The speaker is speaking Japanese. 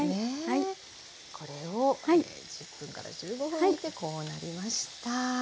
これを１０分から１５分煮てこうなりました。